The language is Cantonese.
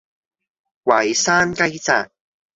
淮山雞扎